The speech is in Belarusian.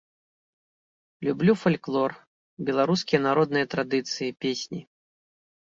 Люблю фальклор, беларускія народныя традыцыі, песні.